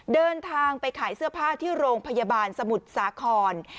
เดินทางไปขายเสื้อผ้าที่โรงพยาบาลสมุทรสาคร